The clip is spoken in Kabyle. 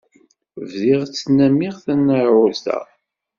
Bdiɣ ttnamiɣ d tnaɛurt-a.